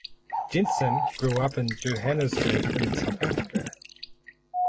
Jensen grew up in Johannesburg in South Africa.